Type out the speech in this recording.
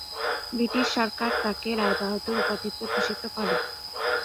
British সরকার তাঁকে "রায়বাহাদুর" উপাধিতে ভূষিত করে।